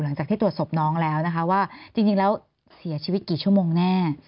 หลังจากที่ตรวจศพน้องแล้วนะคะว่าจริงแล้วเสียชีวิตกี่ชั่วโมงแน่